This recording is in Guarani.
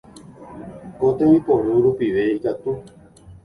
Ko tembiporu rupive ikatu